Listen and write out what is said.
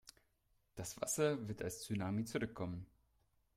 Das Wasser wird als Tsunami zurückkommen.